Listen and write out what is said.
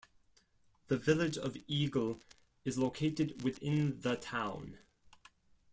The Village of Eagle is located within the town.